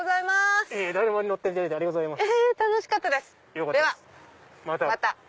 また。